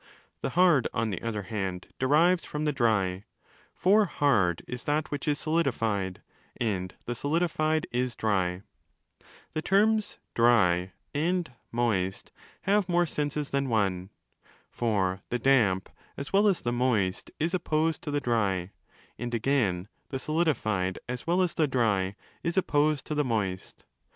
'The hard', on the other hand, derives from the dry: for 'hard' is that which is solidified, and the solidified is dry. The terms ' dry' and ' moist' have more senses than one. For 'the damp', as well as the moist, is opposed to the dry: and again ' the solidified', as well as the dry, is opposed to the moist.